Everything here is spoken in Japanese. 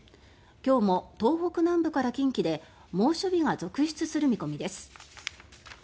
今日も東北南部から近畿で猛暑日が続出する見込みです。